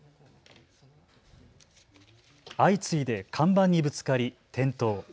相次いで看板にぶつかり転倒。